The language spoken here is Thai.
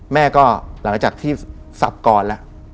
แม่ก็หลังจากที่สับก่อนแล้ว